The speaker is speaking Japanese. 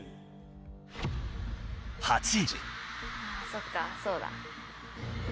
そっかそうだ。